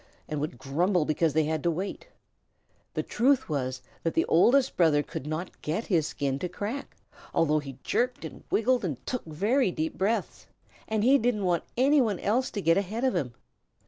and would grumble because they had to wait. The truth was that the Oldest Brother could not get his skin to crack, although he jerked and wiggled and took very deep breaths. And he didn't want any one else to get ahead of him.